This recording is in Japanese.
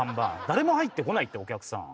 誰も入ってこないってお客さん